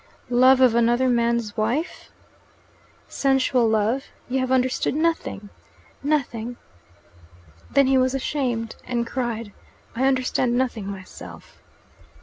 "Love of another man's wife? Sensual love? You have understood nothing nothing." Then he was ashamed, and cried, "I understand nothing myself."